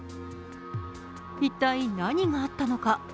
一体何があったのか。